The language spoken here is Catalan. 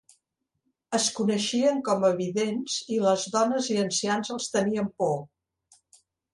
Es coneixien com a vidents i les dones i ancians els tenien por.